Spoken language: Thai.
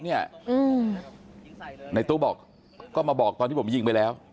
นายตู้ก็มาบอกตอนที่ผมไปยิงไปแล้ว